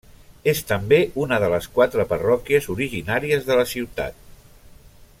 És també una de les quatre parròquies originàries de la ciutat.